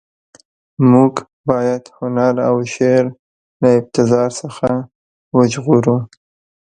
موږ باید هنر او شعر له ابتذال څخه وژغورو.